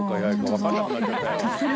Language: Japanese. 分かんなくなっちゃったよ。